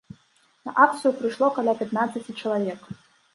На акцыю прыйшло каля пятнаццаці чалавек.